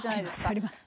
あります。